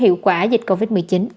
hiệu quả dịch covid một mươi chín